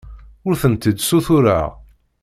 Ur tent-id-ssutureɣ.